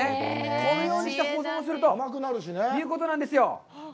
このようにして保存するということなんですよ。